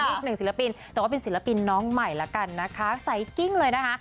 อีกหนึ่งศิลปินแต่ว่าเป็นศิลปินน้องใหม่ศัยกิ้งเลยนะฮะ